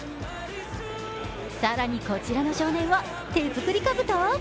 更にこちらの少年は手作りかぶと？